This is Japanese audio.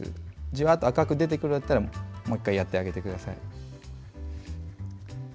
じわっと赤く出てくるようだったらもう１回やってあげてください。